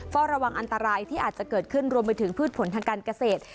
เฝ้าระวังอันตรายที่อาจจะเกิดขึ้นรวมไปถึงพืชผลทางการเกษตร